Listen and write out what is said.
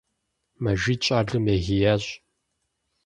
Мэжид щӀалэм егиящ.